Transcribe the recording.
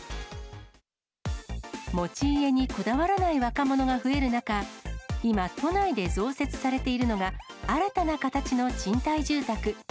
持ち家にこだわらない若者が増える中、今、都内で増設されているのが新たな形の賃貸住宅。